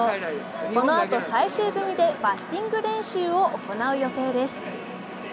このあと最終組でバッティング練習を行う予定です。